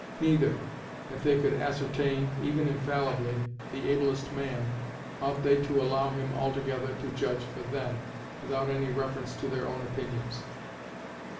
Neither, if they could ascertain, even infallibly, the ablest man, ought they to allow him altogether to judge for them, without any reference to their own opinions.